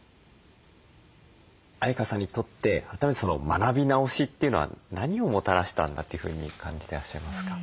相川さんにとって改めて学び直しというのは何をもたらしたんだというふうに感じてらっしゃいますか？